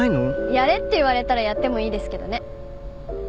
やれって言われたらやってもいいですけどね。